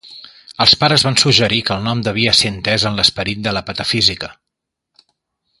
Els pares van suggerir que el nom devia ser entès en l'esperit de la patafísica.